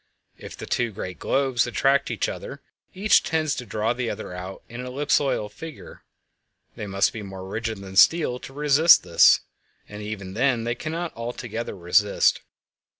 If two great globes attract each other, each tends to draw the other out into an ellipsoidal figure; they must be more rigid than steel to resist this—and even then they cannot altogether resist.